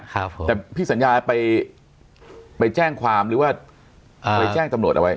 ครับผมแต่พี่สัญญาไปไปแจ้งความหรือว่าไปแจ้งตำรวจเอาไว้